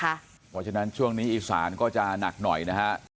เพราะฉะนั้นช่วงนี้อีสานก็จะหนักหน่อยนะฮะ